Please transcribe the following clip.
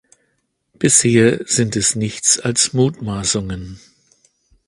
Bisher sind es nichts als Mutmaßungen.